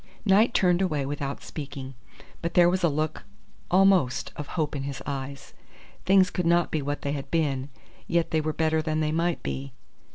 Knight turned away without speaking. But there was a look almost of hope in his eyes. Things could not be what they had been; yet they were better than they might be.